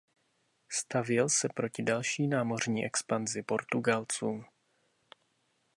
Stavěl se proti další námořní expanzi Portugalců.